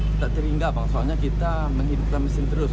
kita teringat pak soalnya kita menghidupkan mesin terus